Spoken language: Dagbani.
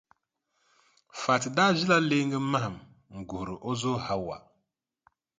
Fati daa ʒila leeŋa mahim n-guhiri o zo Hawa.